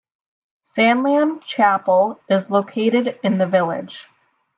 Sandland Chapel is located in the village.